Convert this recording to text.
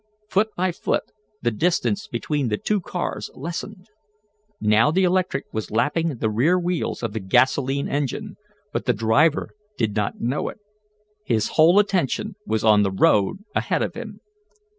Foot by foot the distance between the two cars lessened. Now the electric was lapping the rear wheels of the gasolene machine, but the driver did not know it. His whole attention was on the road ahead of him.